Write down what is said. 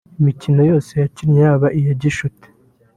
“Imikino yose yakinnye yaba iya gicuti